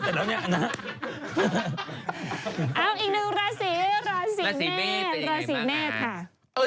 เอ้าอีกนึงราศีเมฆราศีเมฆค่ะ